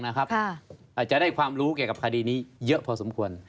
อาจจะได้ความรู้เกี่ยวกับคดีนี้เยอะพอสมควร